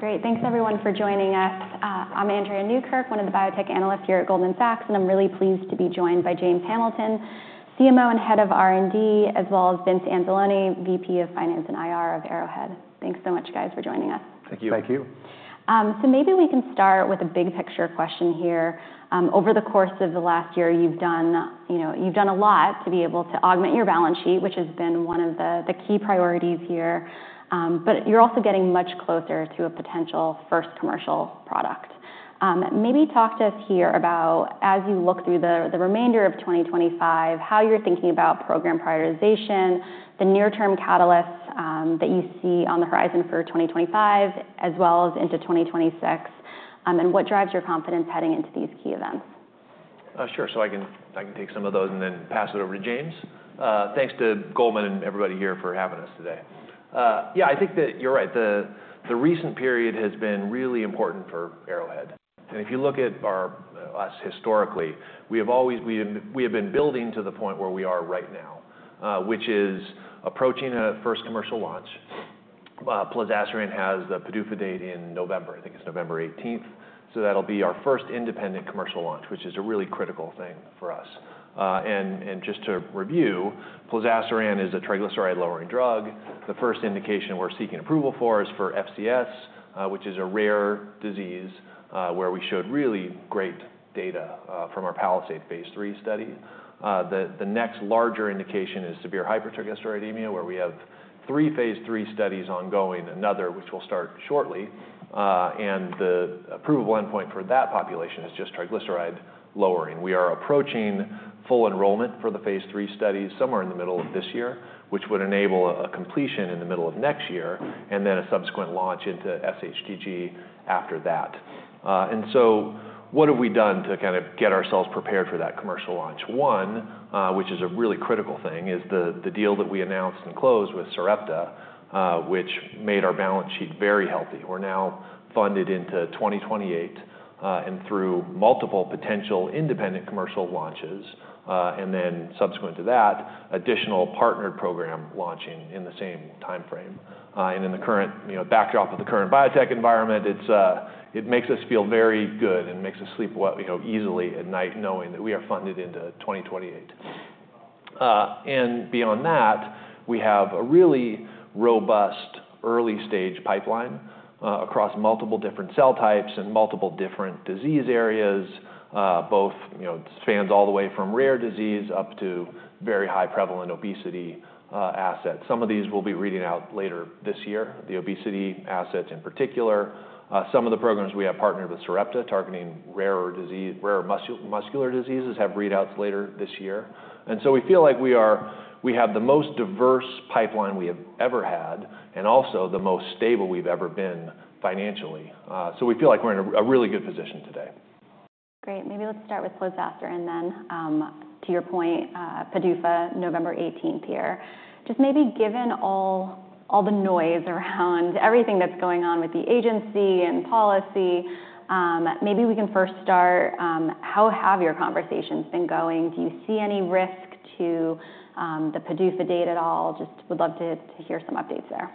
Great. Thanks, everyone, for joining us. I'm Andrea Newkirk, one of the biotech analysts here at Goldman Sachs, and I'm really pleased to be joined by James Hamilton, CMO and head of R&D, as well as Vince Anzalone, VP of Finance and IR of Arrowhead. Thanks so much, guys, for joining us. Thank you. Thank you. Maybe we can start with a big-picture question here. Over the course of the last year, you've done a lot to be able to augment your balance sheet, which has been one of the key priorities here. You're also getting much closer to a potential first commercial product. Maybe talk to us here about, as you look through the remainder of 2025, how you're thinking about program prioritization, the near-term catalysts that you see on the horizon for 2025, as well as into 2026, and what drives your confidence heading into these key events. Sure. I can take some of those and then pass it over to James. Thanks to Goldman and everybody here for having us today. Yeah, I think that you're right. The recent period has been really important for Arrowhead. If you look at us historically, we have always been building to the point where we are right now, which is approaching a first commercial launch. Plozasiran has the PDUFA date in November. I think it's November 18th. That will be our first independent commercial launch, which is a really critical thing for us. Just to review, Plozasiran is a triglyceride-lowering drug. The first indication we're seeking approval for is for FCS, which is a rare disease where we showed really great data from our Palisade phase III study. The next larger indication is severe hypertriglyceridemia, where we have three phase III studies ongoing, another which we'll start shortly. The approval endpoint for that population is just triglyceride lowering. We are approaching full enrollment for the phase III studies somewhere in the middle of this year, which would enable a completion in the middle of next year, and then a subsequent launch into SHTG after that. What have we done to kind of get ourselves prepared for that commercial launch? One, which is a really critical thing, is the deal that we announced and closed with Sarepta, which made our balance sheet very healthy. We're now funded into 2028 and through multiple potential independent commercial launches, and then subsequent to that, additional partnered program launching in the same timeframe. In the current backdrop of the current biotech environment, it makes us feel very good and makes us sleep easily at night knowing that we are funded into 2028. Beyond that, we have a really robust early-stage pipeline across multiple different cell types and multiple different disease areas, both spans all the way from rare disease up to very high-prevalent obesity assets. Some of these we'll be reading out later this year, the obesity assets in particular. Some of the programs we have partnered with Sarepta targeting rare muscular diseases have readouts later this year. We feel like we have the most diverse pipeline we have ever had and also the most stable we've ever been financially. We feel like we're in a really good position today. Great. Maybe let's start with Plozasiran then. To your point, PDUFA, November 18th here. Just maybe given all the noise around everything that's going on with the agency and policy, maybe we can first start, how have your conversations been going? Do you see any risk to the PDUFA date at all? Just would love to hear some updates there.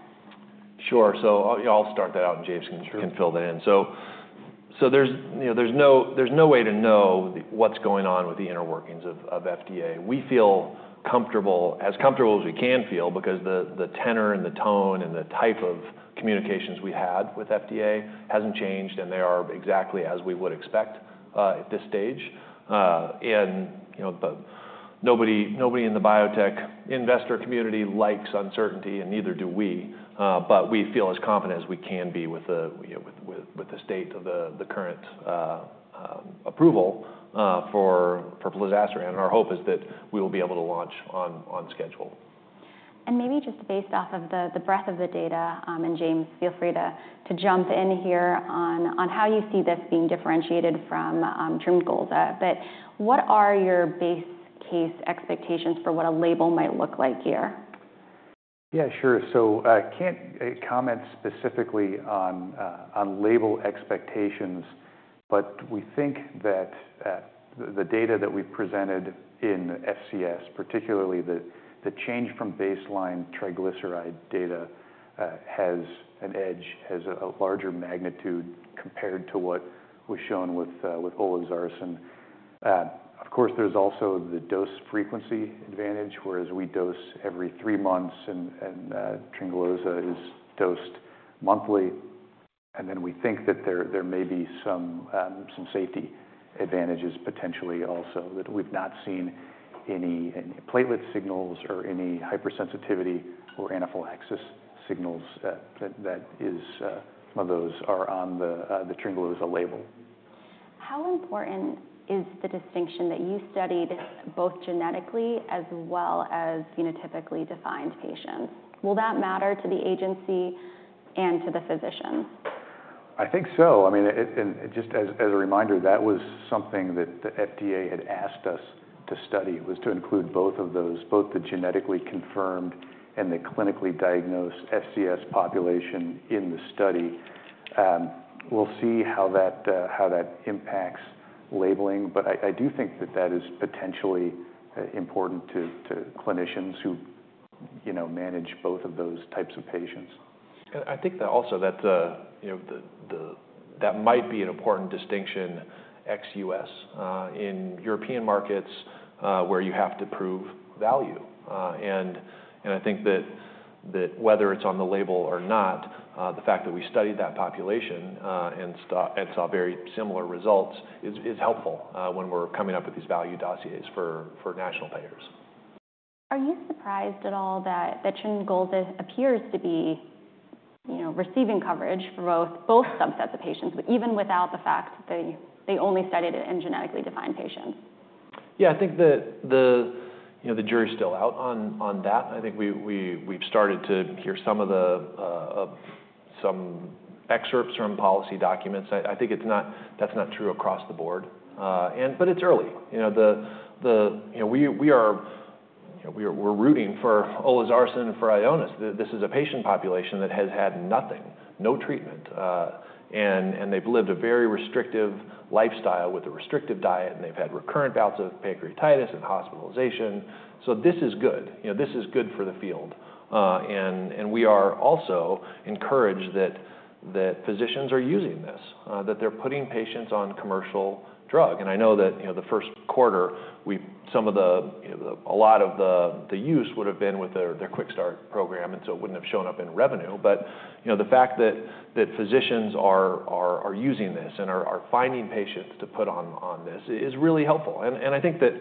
Sure. I'll start that out and James can fill that in. There's no way to know what's going on with the inner workings of FDA. We feel comfortable, as comfortable as we can feel, because the tenor and the tone and the type of communications we've had with FDA hasn't changed, and they are exactly as we would expect at this stage. Nobody in the biotech investor community likes uncertainty, and neither do we. We feel as confident as we can be with the state of the current approval for Plozasiran, and our hope is that we will be able to launch on schedule. Maybe just based off of the breadth of the data, and James, feel free to jump in here on how you see this being differentiated from TRYNGOLZA. What are your base case expectations for what a label might look like here? Yeah, sure. I can't comment specifically on label expectations, but we think that the data that we've presented in FCS, particularly the change from baseline triglyceride data, has an edge, has a larger magnitude compared to what was shown with olpasiran. Of course, there's also the dose frequency advantage, whereas we dose every three months and TRYNGOLZA is dosed monthly. We think that there may be some safety advantages potentially also, that we've not seen any platelet signals or any hypersensitivity or anaphylaxis signals, that some of those are on the TRYNGOLZA label. How important is the distinction that you studied both genetically as well as phenotypically defined patients? Will that matter to the agency and to the physicians? I think so. I mean, just as a reminder, that was something that the FDA had asked us to study, was to include both of those, both the genetically confirmed and the clinically diagnosed FCS population in the study. We'll see how that impacts labeling, but I do think that that is potentially important to clinicians who manage both of those types of patients. I think that also that might be an important distinction ex-U.S. in European markets where you have to prove value. I think that whether it's on the label or not, the fact that we studied that population and saw very similar results is helpful when we're coming up with these value dossiers for national payers. Are you surprised at all that TRYNGOLZA appears to be receiving coverage for both subsets of patients, even without the fact that they only studied it in genetically defined patients? Yeah, I think the jury's still out on that. I think we've started to hear some excerpts from policy documents. I think that's not true across the board. It's early. We're rooting for Olezarsen and for Ionis. This is a patient population that has had nothing, no treatment. They've lived a very restrictive lifestyle with a restrictive diet, and they've had recurrent bouts of pancreatitis and hospitalization. This is good. This is good for the field. We are also encouraged that physicians are using this, that they're putting patients on commercial drug. I know that the first quarter, a lot of the use would have been with their QuickStart program, and it wouldn't have shown up in revenue. The fact that physicians are using this and are finding patients to put on this is really helpful. I think that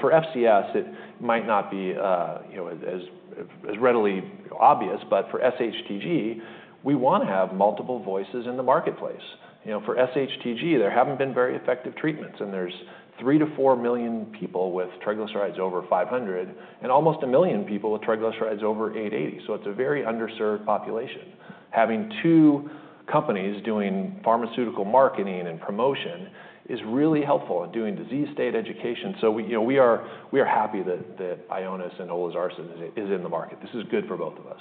for FCS, it might not be as readily obvious, but for SHTG, we want to have multiple voices in the marketplace. For SHTG, there have not been very effective treatments, and there are 3 million - 4 million people with triglycerides over 500 and almost a million people with triglycerides over 880. It is a very underserved population. Having two companies doing pharmaceutical marketing and promotion is really helpful in doing disease state education. We are happy that Ionis and Olezarsen are in the market. This is good for both of us.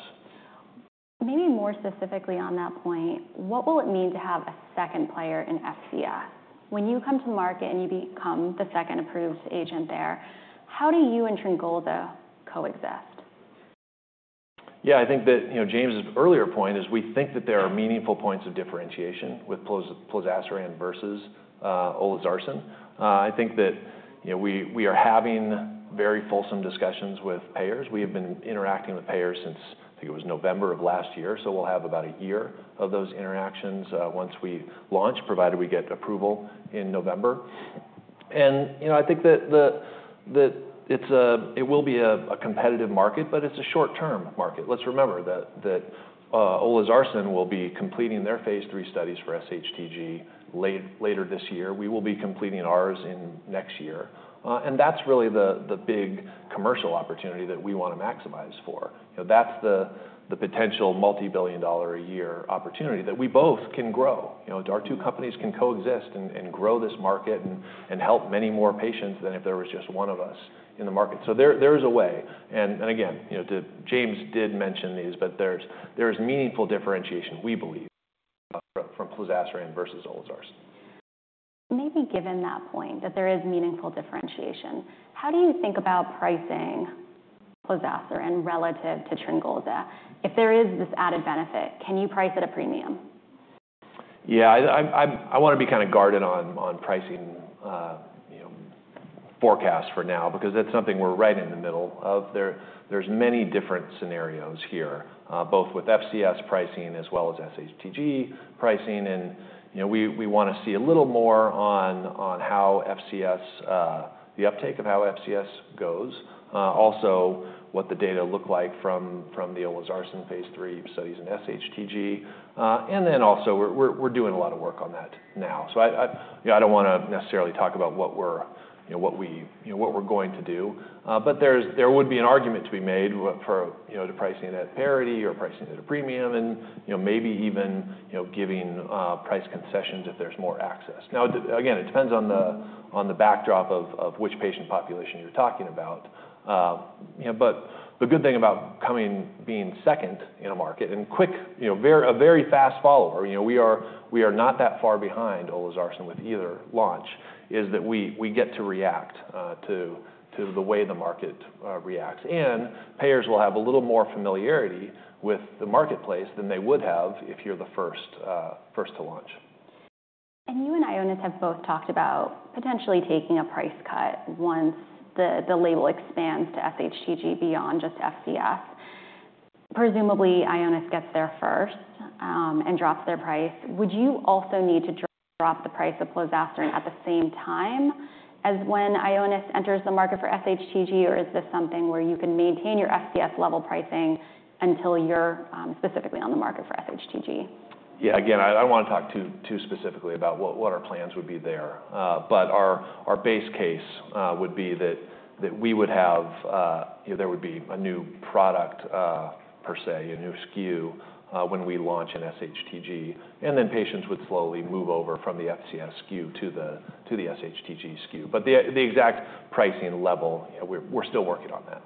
Maybe more specifically on that point, what will it mean to have a second player in FCS? When you come to market and you become the second approved agent there, how do you and TRYNGOLZA coexist? Yeah, I think that James's earlier point is we think that there are meaningful points of differentiation with Plozasiran versus Olezarsen. I think that we are having very fulsome discussions with payers. We have been interacting with payers since, I think it was November of last year. We will have about a year of those interactions once we launch, provided we get approval in November. I think that it will be a competitive market, but it's a short-term market. Let's remember that Olezarsen will be completing their phase III studies for SHTG later this year. We will be completing ours next year. That's really the big commercial opportunity that we want to maximize for. That's the potential multi-billion dollar a year opportunity that we both can grow. Our two companies can coexist and grow this market and help many more patients than if there was just one of us in the market. There is a way. Again, James did mention these, but there is meaningful differentiation, we believe, from Plozasiran versus Olpasiran. Maybe given that point, that there is meaningful differentiation, how do you think about pricing Plozasiran relative to TRYNGOLZA? If there is this added benefit, can you price at a premium? Yeah, I want to be kind of guarded on pricing forecasts for now, because that's something we're right in the middle of. There's many different scenarios here, both with FCS pricing as well as SHTG pricing. We want to see a little more on the uptake of how FCS goes, also what the data look like from the Olpasiran phase III studies and SHTG. We're doing a lot of work on that now. I don't want to necessarily talk about what we're going to do. There would be an argument to be made for pricing it at parity or pricing it at a premium and maybe even giving price concessions if there's more access. Again, it depends on the backdrop of which patient population you're talking about. The good thing about being second in a market and a very fast follower, we are not that far behind Olpasiran with either launch, is that we get to react to the way the market reacts. Payers will have a little more familiarity with the marketplace than they would have if you're the first to launch. You and Ionis have both talked about potentially taking a price cut once the label expands to SHTG beyond just FCS. Presumably, Ionis gets there first and drops their price. Would you also need to drop the price of Plozasiran at the same time as when Ionis enters the market for SHTG, or is this something where you can maintain your FCS level pricing until you're specifically on the market for SHTG? Yeah, again, I don't want to talk too specifically about what our plans would be there. Our base case would be that we would have a new product per se, a new SKU when we launch in SHTG. Patients would slowly move over from the FCS SKU to the SHTG SKU. The exact pricing level, we're still working on that.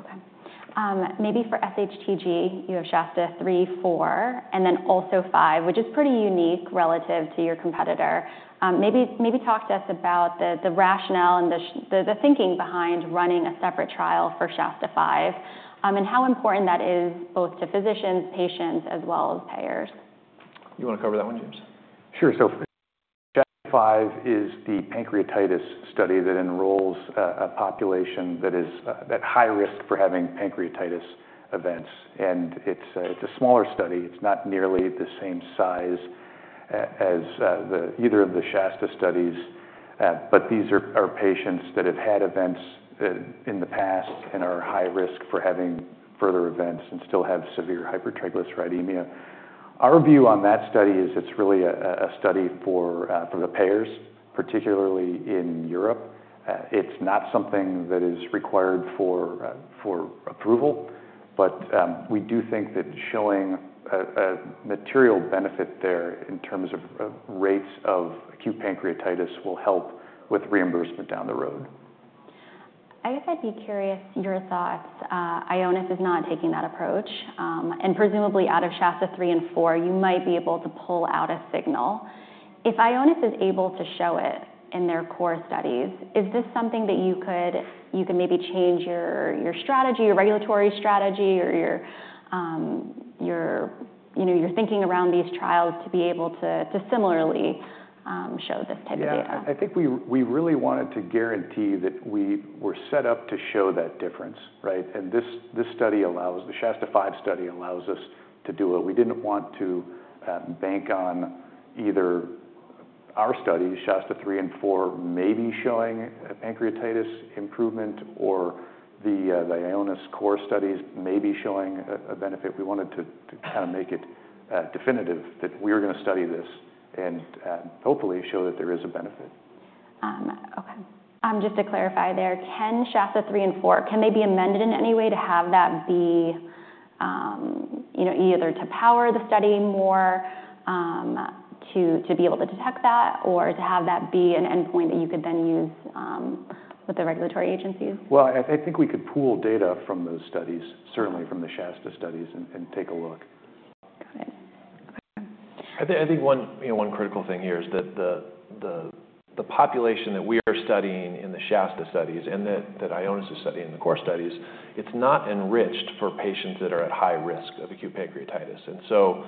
Okay. Maybe for SHTG, you have SHASTA-3, 4, and then also 5, which is pretty unique relative to your competitor. Maybe talk to us about the rationale and the thinking behind running a separate trial for SHASTA5 and how important that is both to physicians, patients, as well as payers. You want to cover that one, James? Sure. SHASTA-5 is the pancreatitis study that enrolls a population that is at high risk for having pancreatitis events. It is a smaller study. It is not nearly the same size as either of the SHASTA studies, but these are patients that have had events in the past and are high risk for having further events and still have severe hypertriglyceridemia. Our view on that study is it is really a study for the payers, particularly in Europe. It is not something that is required for approval, but we do think that showing a material benefit there in terms of rates of acute pancreatitis will help with reimbursement down the road. I guess I'd be curious your thoughts. Ionis is not taking that approach. Presumably out of SHASTA-3 and 4, you might be able to pull out a signal. If Ionis is able to show it in their core studies, is this something that you could maybe change your strategy, your regulatory strategy, or your thinking around these trials to be able to similarly show this type of data? Yeah, I think we really wanted to guarantee that we were set up to show that difference, right? This study allows the SHASTA-5 study allows us to do it. We didn't want to bank on either our studies, SHASTA-3 and 4, maybe showing pancreatitis improvement, or the Ionis core studies maybe showing a benefit. We wanted to kind of make it definitive that we were going to study this and hopefully show that there is a benefit. Okay. Just to clarify there, can SHASTA-3 and 4, can they be amended in any way to have that be either to power the study more to be able to detect that or to have that be an endpoint that you could then use with the regulatory agencies? I think we could pool data from those studies, certainly from the SHASTA studies, and take a look. Got it. Okay. I think one critical thing here is that the population that we are studying in the SHASTA studies and that Ionis is studying in the core studies, it's not enriched for patients that are at high risk of acute pancreatitis.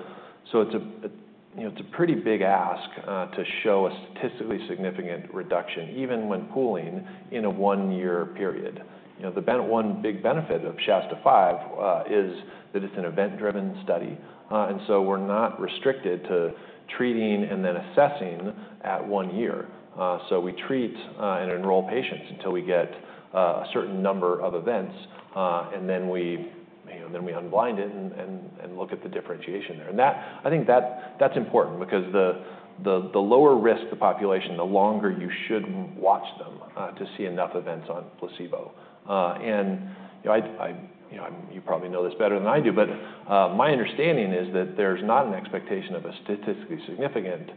It is a pretty big ask to show a statistically significant reduction, even when pooling in a one-year period. The one big benefit of SHASHTA-5 is that it is an event-driven study. We are not restricted to treating and then assessing at one year. We treat and enroll patients until we get a certain number of events, and then we unblind it and look at the differentiation there. I think that is important because the lower risk the population, the longer you should watch them to see enough events on placebo. You probably know this better than I do, but my understanding is that there's not an expectation of a statistically significant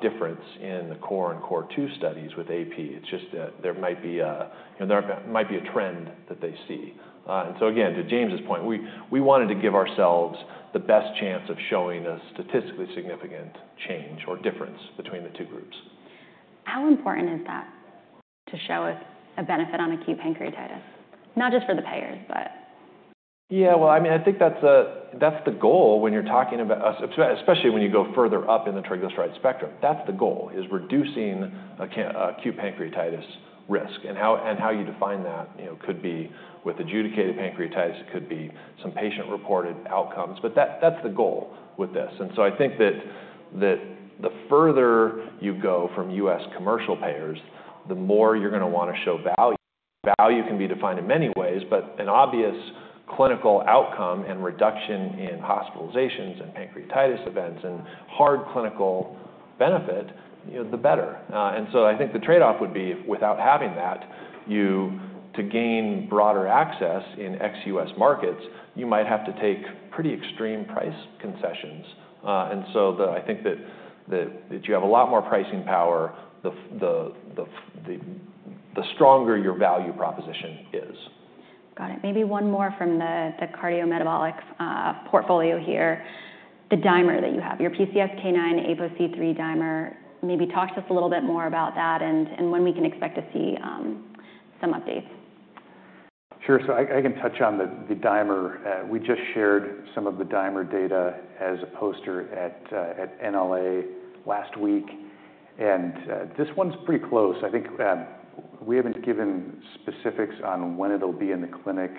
difference in the core and core two studies with AP. It's just that there might be a trend that they see. Again, to James's point, we wanted to give ourselves the best chance of showing a statistically significant change or difference between the two groups. How important is that to show a benefit on acute pancreatitis, not just for the payers, but? Yeah, I mean, I think that's the goal when you're talking about, especially when you go further up in the triglyceride spectrum. That's the goal, is reducing acute pancreatitis risk. How you define that could be with adjudicated pancreatitis. It could be some patient-reported outcomes. That's the goal with this. I think that the further you go from U.S. commercial payers, the more you're going to want to show value. Value can be defined in many ways, but an obvious clinical outcome and reduction in hospitalizations and pancreatitis events and hard clinical benefit, the better. I think the trade-off would be without having that, to gain broader access in ex-U.S. markets, you might have to take pretty extreme price concessions. I think that you have a lot more pricing power the stronger your value proposition is. Got it. Maybe one more from the cardiometabolic portfolio here, the dimer that you have, your PCSK9 APOC3 dimer. Maybe talk to us a little bit more about that and when we can expect to see some updates. Sure. I can touch on the dimer. We just shared some of the dimer data as a poster at NLA last week. This one's pretty close. I think we haven't given specifics on when it'll be in the clinic.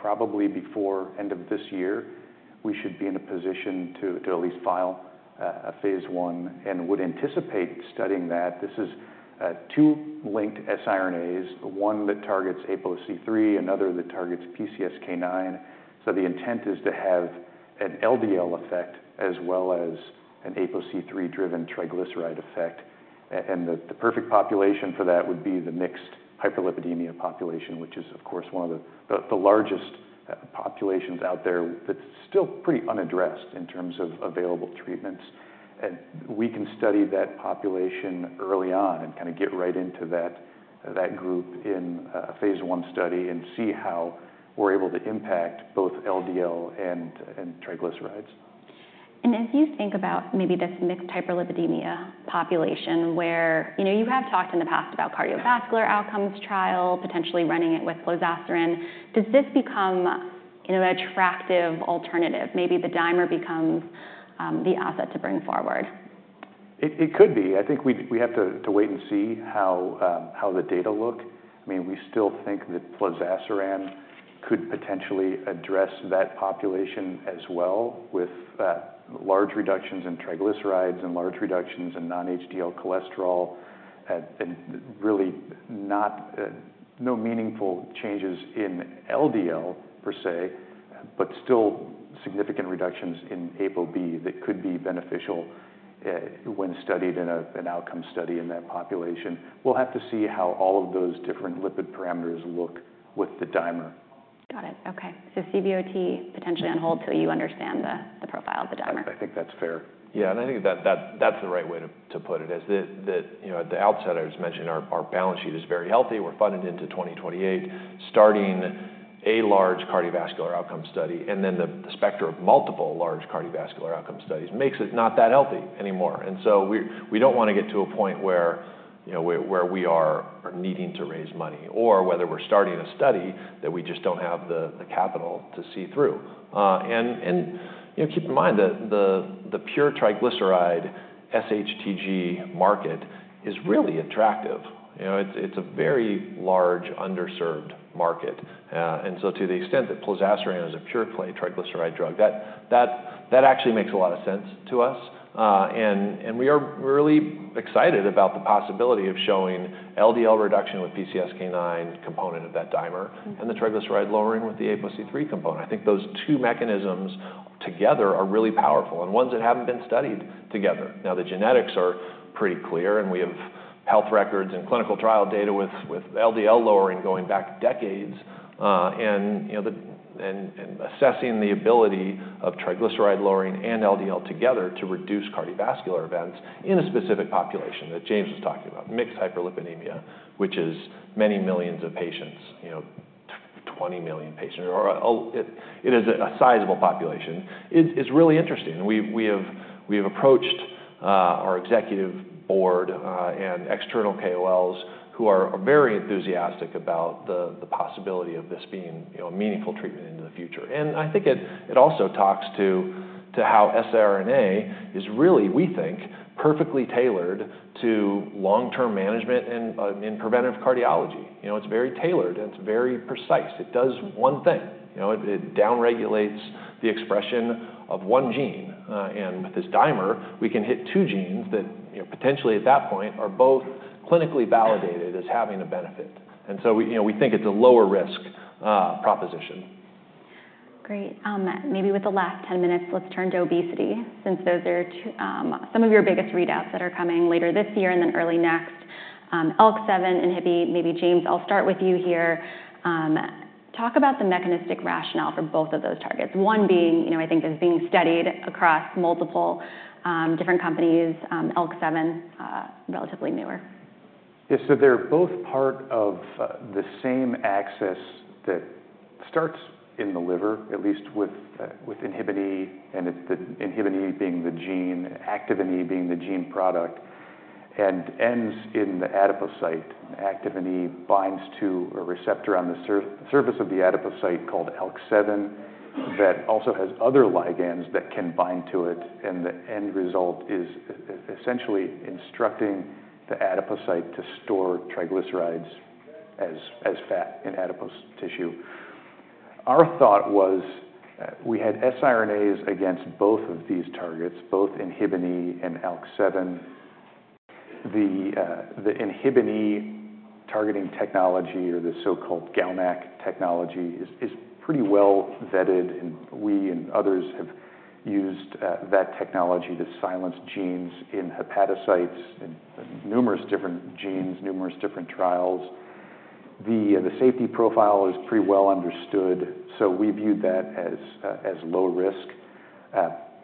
Probably before the end of this year, we should be in a position to at least file a phase I and would anticipate studying that. This is two linked siRNAs, one that targets APOC3, another that targets PCSK9. The intent is to have an LDL effect as well as an APOC3-driven triglyceride effect. The perfect population for that would be the mixed hyperlipidemia population, which is, of course, one of the largest populations out there that's still pretty unaddressed in terms of available treatments. We can study that population early on and kind of get right into that group in a phase I study and see how we're able to impact both LDL and triglycerides. As you think about maybe this mixed hyperlipidemia population where you have talked in the past about cardiovascular outcomes trial, potentially running it with Plozasiran, does this become an attractive alternative? Maybe the dimer becomes the asset to bring forward. It could be. I think we have to wait and see how the data look. I mean, we still think that Plozasiran could potentially address that population as well with large reductions in triglycerides and large reductions in non-HDL cholesterol and really no meaningful changes in LDL per se, but still significant reductions in ApoB that could be beneficial when studied in an outcome study in that population. We'll have to see how all of those different lipid parameters look with the dimer. Got it. Okay. So CVOT potentially on hold till you understand the profile of the dimer. I think that's fair. Yeah, and I think that's the right way to put it, is that at the outset, I just mentioned our balance sheet is very healthy. We're funded into 2028, starting a large cardiovascular outcome study, and then the spectrum of multiple large cardiovascular outcome studies makes it not that healthy anymore. We do not want to get to a point where we are needing to raise money or whether we're starting a study that we just do not have the capital to see through. Keep in mind that the pure triglyceride SHTG market is really attractive. It's a very large underserved market. To the extent that Plozasiran is a pure triglyceride drug, that actually makes a lot of sense to us. We are really excited about the possibility of showing LDL reduction with the PCSK9 component of that dimer and the triglyceride lowering with the APOC3 component. I think those two mechanisms together are really powerful and ones that have not been studied together. The genetics are pretty clear, and we have health records and clinical trial data with LDL lowering going back decades and assessing the ability of triglyceride lowering and LDL together to reduce cardiovascular events in a specific population that James was talking about, mixed hyperlipidemia, which is many millions of patients, 20 million patients. It is a sizable population. It is really interesting. We have approached our executive board and external KOLs who are very enthusiastic about the possibility of this being a meaningful treatment into the future. I think it also talks to how siRNA is really, we think, perfectly tailored to long-term management in preventive cardiology. It's very tailored and it's very precise. It does one thing. It downregulates the expression of one gene. With this dimer, we can hit two genes that potentially at that point are both clinically validated as having a benefit. We think it's a lower risk proposition. Great. Maybe with the last 10 minutes, let's turn to obesity since those are some of your biggest readouts that are coming later this year and then early next. ALK7, Inhibi, maybe James, I'll start with you here. Talk about the mechanistic rationale for both of those targets, one being, I think, as being studied across multiple different companies, ALK7, relatively newer. Yeah, so they're both part of the same axis that starts in the liver, at least with Inhibini, and Inhibini being the gene, Activini being the gene product, and ends in the adipocyte. Activini binds to a receptor on the surface of the adipocyte called ALK7 that also has other ligands that can bind to it. The end result is essentially instructing the adipocyte to store triglycerides as fat in adipose tissue. Our thought was we had sRNAs against both of these targets, both Inhibini and ALK7. The Inhibini targeting technology or the so-called GalNAc technology is pretty well vetted, and we and others have used that technology to silence genes in hepatocytes and numerous different genes, numerous different trials. The safety profile is pretty well understood, so we viewed that as low risk.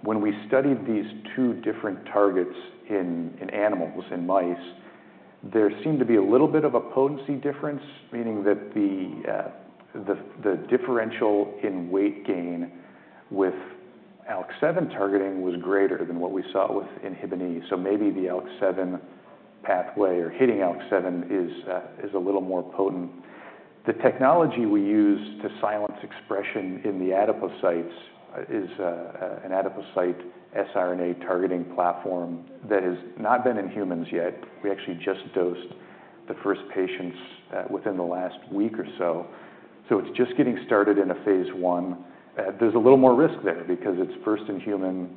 When we studied these two different targets in animals, in mice, there seemed to be a little bit of a potency difference, meaning that the differential in weight gain with ALK7 targeting was greater than what we saw with Inhibini. Maybe the ALK7 pathway or hitting ALK7 is a little more potent. The technology we use to silence expression in the adipocytes is an adipocyte sRNA targeting platform that has not been in humans yet. We actually just dosed the first patients within the last week or so. It is just getting started in a phase I. There is a little more risk there because it is first in human.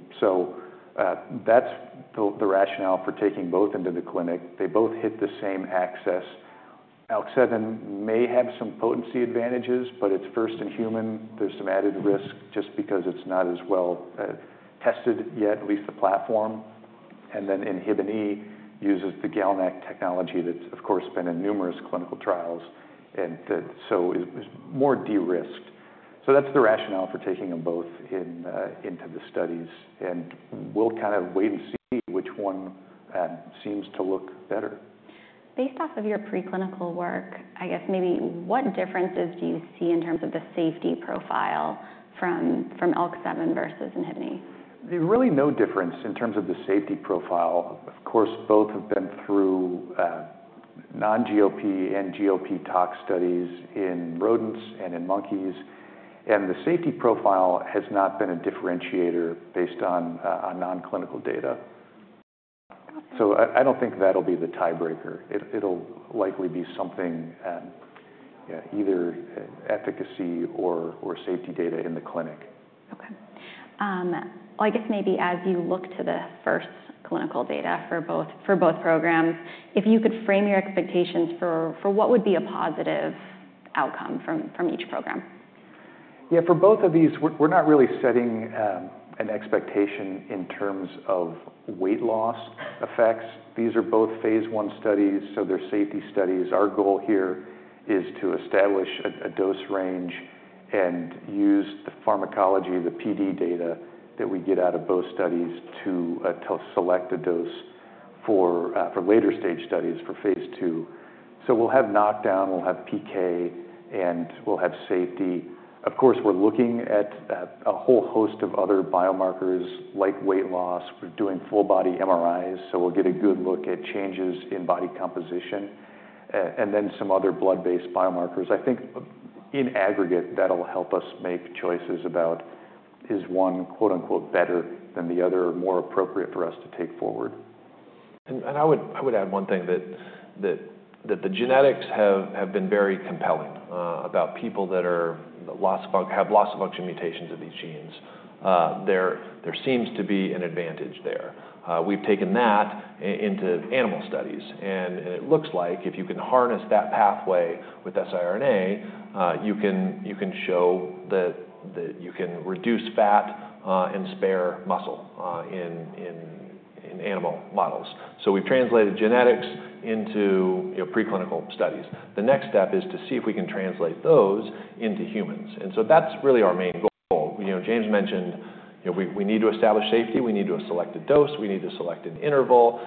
That is the rationale for taking both into the clinic. They both hit the same axis. ALK7 may have some potency advantages, but it is first in human. There's some added risk just because it's not as well tested yet, at least the platform. Inhibini uses the GalNAc technology that's, of course, been in numerous clinical trials, and so it's more de-risked. That's the rationale for taking them both into the studies. We'll kind of wait and see which one seems to look better. Based off of your preclinical work, I guess maybe what differences do you see in terms of the safety profile from ALK7 versus Inhibini? There's really no difference in terms of the safety profile. Of course, both have been through non-GLP and GLP tox studies in rodents and in monkeys. And the safety profile has not been a differentiator based on non-clinical data. So I don't think that'll be the tiebreaker. It'll likely be something either efficacy or safety data in the clinic. Okay. I guess maybe as you look to the first clinical data for both programs, if you could frame your expectations for what would be a positive outcome from each program. Yeah, for both of these, we're not really setting an expectation in terms of weight loss effects. These are both phase I studies, so they're safety studies. Our goal here is to establish a dose range and use the pharmacology, the PD data that we get out of both studies to select a dose for later stage studies for phase II. We'll have knockdown, we'll have PK, and we'll have safety. Of course, we're looking at a whole host of other biomarkers like weight loss. We're doing full-body MRIs, so we'll get a good look at changes in body composition and then some other blood-based biomarkers. I think in aggregate, that'll help us make choices about is one "better" than the other or more appropriate for us to take forward. I would add one thing that the genetics have been very compelling about people that have loss of function mutations of these genes. There seems to be an advantage there. We have taken that into animal studies, and it looks like if you can harness that pathway with siRNA, you can show that you can reduce fat and spare muscle in animal models. We have translated genetics into preclinical studies. The next step is to see if we can translate those into humans. That is really our main goal. James mentioned we need to establish safety, we need to select a dose, we need to select an interval.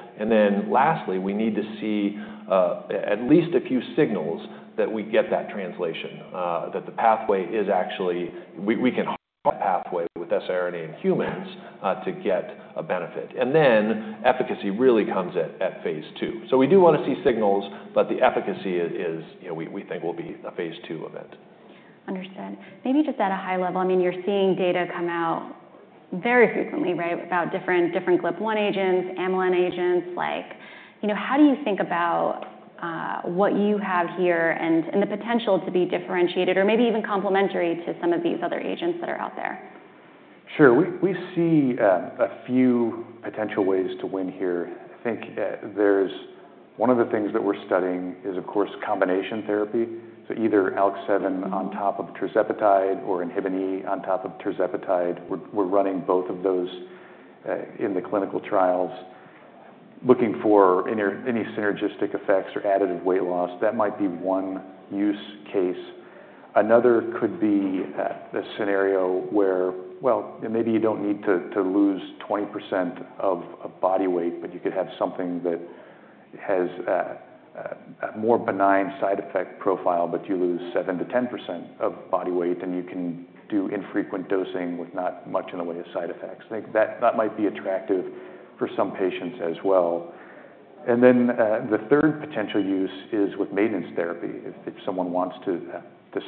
Lastly, we need to see at least a few signals that we get that translation, that the pathway is actually we can harness that pathway with siRNA in humans to get a benefit. Efficacy really comes at phase II. We do want to see signals, but the efficacy is we think will be a phase II event. Understood. Maybe just at a high level, I mean, you're seeing data come out very frequently, right, about different GLP-1 agents, amylin agents. How do you think about what you have here and the potential to be differentiated or maybe even complementary to some of these other agents that are out there? Sure. We see a few potential ways to win here. I think one of the things that we're studying is, of course, combination therapy. So either ALK7 on top of tirzepatide or Inhibini on top of tirzepatide. We're running both of those in the clinical trials, looking for any synergistic effects or additive weight loss. That might be one use case. Another could be a scenario where, well, maybe you don't need to lose 20% of body weight, but you could have something that has a more benign side effect profile, but you lose 7%-10% of body weight, and you can do infrequent dosing with not much in the way of side effects. That might be attractive for some patients as well. The third potential use is with maintenance therapy. If someone wants to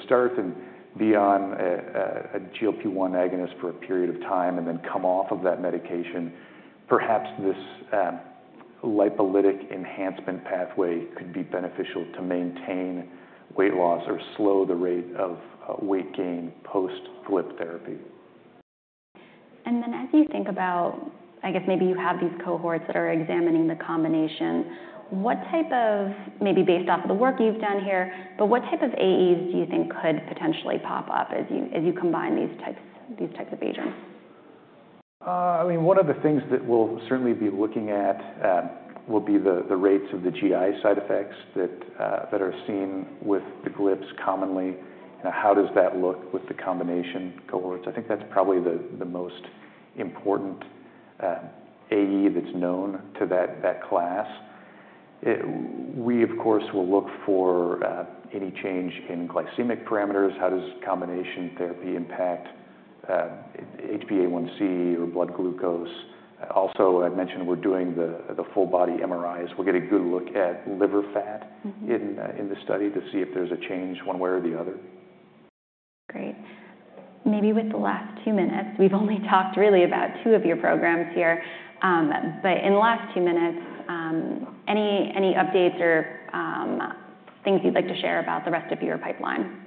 start and be on a GLP-1 agonist for a period of time and then come off of that medication, perhaps this lipolytic enhancement pathway could be beneficial to maintain weight loss or slow the rate of weight gain post-GLP therapy. As you think about, I guess maybe you have these cohorts that are examining the combination, what type of, maybe based off of the work you've done here, but what type of AEs do you think could potentially pop up as you combine these types of agents? I mean, one of the things that we'll certainly be looking at will be the rates of the GI side effects that are seen with the GLPs commonly. How does that look with the combination cohorts? I think that's probably the most important AE that's known to that class. We, of course, will look for any change in glycemic parameters. How does combination therapy impact HbA1c or blood glucose? Also, I mentioned we're doing the full-body MRIs. We'll get a good look at liver fat in the study to see if there's a change one way or the other. Great. Maybe with the last two minutes, we've only talked really about two of your programs here, but in the last two minutes, any updates or things you'd like to share about the rest of your pipeline?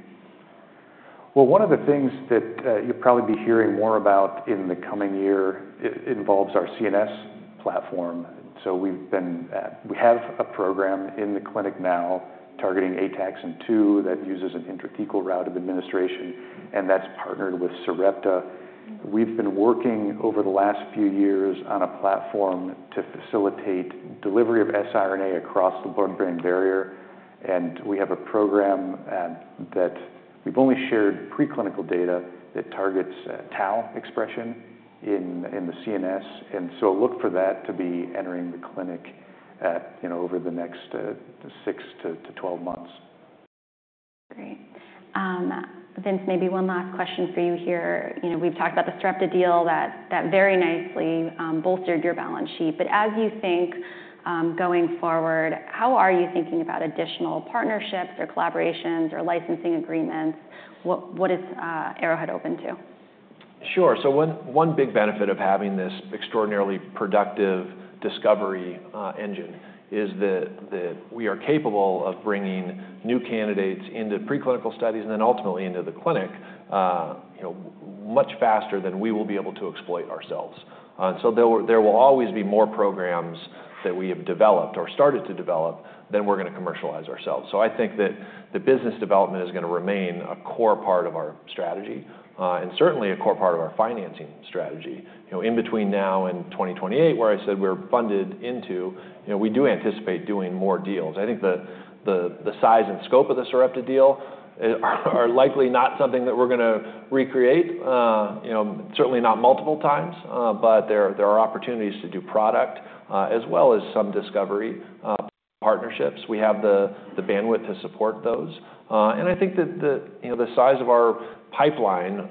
One of the things that you'll probably be hearing more about in the coming year involves our CNS platform. We have a program in the clinic now targeting ATXN2 that uses an intrathecal route of administration, and that's partnered with Sarepta. We've been working over the last few years on a platform to facilitate delivery of siRNA across the blood-brain barrier. We have a program that we've only shared preclinical data that targets tau expression in the CNS. Look for that to be entering the clinic over the next 6 months -12 months. Great. Vince, maybe one last question for you here. We've talked about the Sarepta deal that very nicely bolstered your balance sheet. As you think going forward, how are you thinking about additional partnerships or collaborations or licensing agreements? What is Arrowhead open to? Sure. One big benefit of having this extraordinarily productive discovery engine is that we are capable of bringing new candidates into preclinical studies and then ultimately into the clinic much faster than we will be able to exploit ourselves. There will always be more programs that we have developed or started to develop than we're going to commercialize ourselves. I think that the business development is going to remain a core part of our strategy and certainly a core part of our financing strategy. In between now and 2028, where I said we're funded into, we do anticipate doing more deals. I think the size and scope of the Sarepta deal are likely not something that we're going to recreate, certainly not multiple times, but there are opportunities to do product as well as some discovery partnerships. We have the bandwidth to support those. I think that the size of our pipeline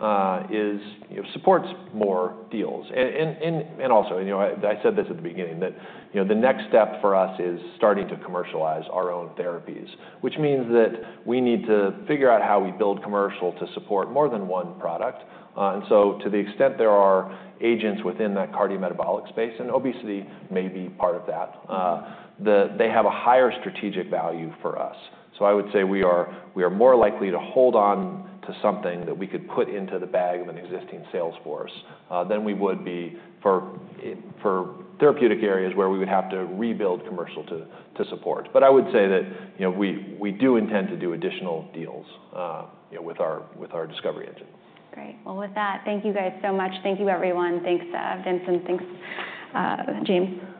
supports more deals. I said this at the beginning, that the next step for us is starting to commercialize our own therapies, which means that we need to figure out how we build commercial to support more than one product. To the extent there are agents within that cardiometabolic space, and obesity may be part of that, they have a higher strategic value for us. I would say we are more likely to hold on to something that we could put into the bag of an existing sales force than we would be for therapeutic areas where we would have to rebuild commercial to support. I would say that we do intend to do additional deals with our discovery engine. Great. With that, thank you guys so much. Thank you, everyone. Thanks, Vince. Thanks, James. Thank you.